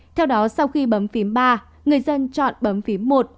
theo đó sau khi bấm phím ba người dân chọn bấm phím một